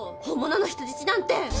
本物の人質なんて。